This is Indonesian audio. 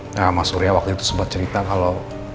nah mas surya waktu itu sempat cerita kalau